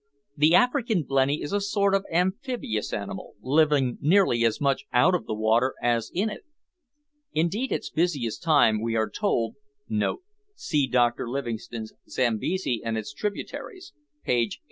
The African blenny is a sort of amphibious animal, living nearly as much out of the water as in it. Indeed its busiest time, we are told, [See Dr Livingstone's Zambesi and its Tributaries, page 843.